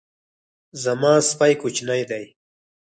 زما سپی کوچنی دی